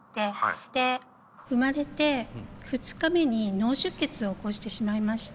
生まれて２日目に脳出血を起こしてしまいまして。